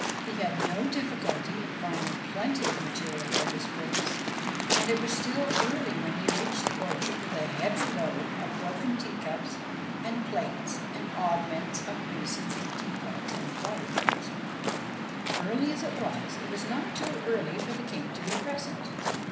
He had no difficulty in finding plenty of material for his purpose, and it was still early when he reached the orchard with a heavy load of broken tea cups and plates and oddments of basins and teapots and water jugs. Early as it was, it was not too early for the King to be present.